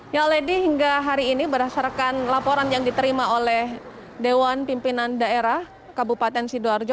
ya lady hingga hari ini berdasarkan laporan yang diterima oleh dewan pimpinan daerah kabupaten sidoarjo